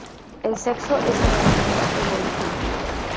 El sexo es un enigma evolutivo.